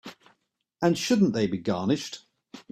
And shouldn't they be garnished?